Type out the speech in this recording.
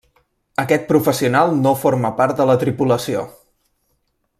Aquest professional no forma part de la tripulació.